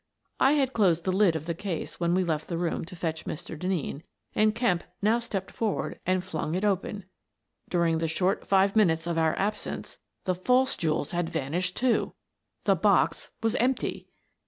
I had closed the lid of the case when we left the room to fetch Mr. Denneen, and Kemp now stepped forward and flung it open. During the short five minutes of our absence, the false jewels had vanished, too! The box was empty.